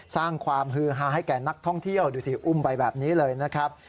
สร้างความฮือฮาให้แก่นักท่องเที่ยวดูสิอุ้มไปแบบนี้เลยนะครับ